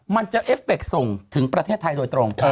มันจะเอฟเฟคส่งถึงประเทศไทยโดยตรง